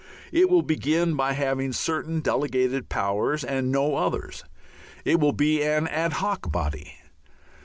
It will begin by having certain delegated powers and no others. It will be an "ad hoc" body.